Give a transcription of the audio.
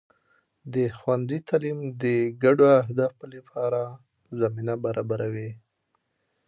د ښوونځي تعلیم د ګډو اهدافو لپاره زمینه برابروي.